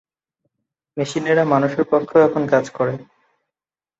মেশিনেরা মানুষের পক্ষেও এখন কাজ করে।